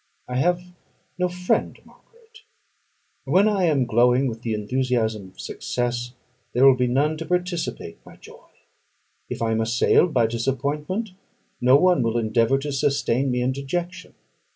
I have no friend, Margaret: when I am glowing with the enthusiasm of success, there will be none to participate my joy; if I am assailed by disappointment, no one will endeavour to sustain me in dejection.